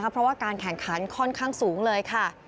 เพราะว่าการแข่งขันค่อนข้างสูงเลยค่ะ